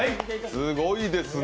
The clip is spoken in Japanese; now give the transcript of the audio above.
すごいですね。